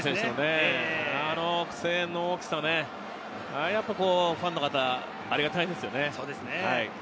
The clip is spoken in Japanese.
あの声援の大きさ、ファンの方、ありがたいですね。